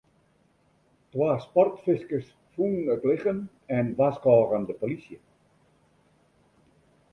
Twa sportfiskers fûnen it lichem en warskôgen de polysje.